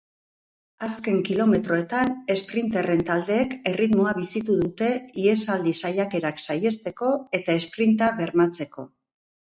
Azken kilometroetan esprinterren taldeek erritmoa bizitu dute ihesaldi saiakerak saihesteko eta esprinta bermatzeko.